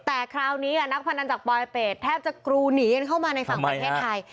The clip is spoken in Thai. แต่คราวนี้นักพนันจากปลอยเป็ดแทบจะกรูหนีกันเข้ามาในฝั่งประเทศไทย